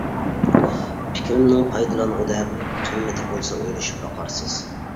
پىكرىمنىڭ پايدىلانغۇدەك قىممىتى بولسا ئويلىشىپ باقارسىز.